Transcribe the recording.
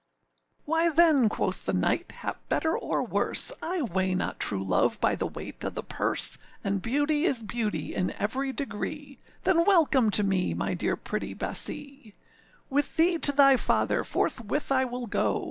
â âWhy then,â quoth the knight, âhap better or worse, I weigh not true love by the weight of the purse, And beauty is beauty in every degree, Then welcome to me, my dear pretty Bessee. âWith thee to thy father forthwith I will go.